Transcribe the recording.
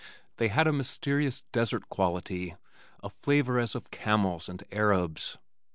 They had a mysterious desert quality, a flavor as of camels and Arabs.